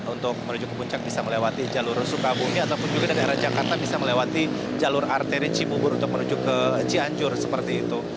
untuk menuju ke puncak bisa melewati jalur sukabumi ataupun juga dari arah jakarta bisa melewati jalur arteri cibubur untuk menuju ke cianjur seperti itu